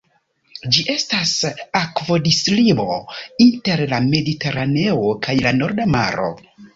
Ĝi estas akvodislimo inter la Mediteraneo kaj la Norda Maro.